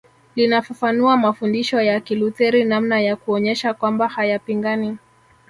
Linafafanua mafundisho ya Kilutheri namna ya kuonyesha kwamba hayapingani